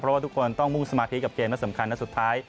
เพราะว่าทุกคนต้องมุ่งสมาธิกับเกมและสำคัญและสุดท้าย